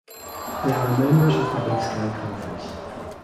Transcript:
They are members of the Big Sky Conference.